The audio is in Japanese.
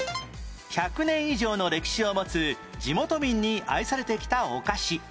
１００年以上の歴史を持つ地元民に愛されてきたお菓子